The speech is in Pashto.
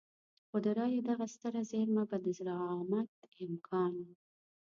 خو د رايو دغه ستره زېرمه به د زعامت امکان.